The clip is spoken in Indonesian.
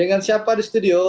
dengan siapa di studio